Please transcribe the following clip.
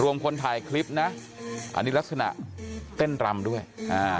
คนถ่ายคลิปนะอันนี้ลักษณะเต้นรำด้วยอ่า